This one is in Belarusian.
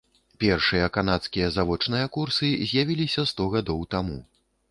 Першыя канадскія завочныя курсы з'явіліся сто гадоў таму.